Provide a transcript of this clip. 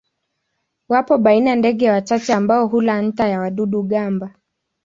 Wapo baina ndege wachache ambao hula nta ya wadudu-gamba.